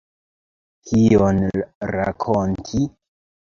Kion rakonti?